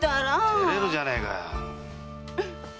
てれるじゃねえか。